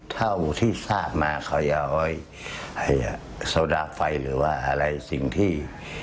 เท่าที่ทราบมาเขาจะเอาโซดาไฟหรือว่าอะไรสิ่งที่